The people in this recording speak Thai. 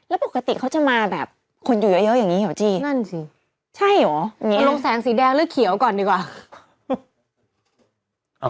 แล้วปกติเขาจะมาแบบคนอยู่เยอะอย่างนี้เหรอจี้นั่นสิใช่เหรอเอาลงแสงสีแดงหรือเขียวก่อนดีกว่า